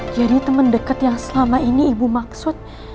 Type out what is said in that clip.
jadi temen dekat yang selama ini ibu maksud